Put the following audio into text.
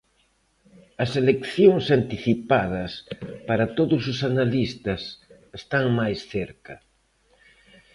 As eleccións anticipadas, para todos os analistas, están máis cerca.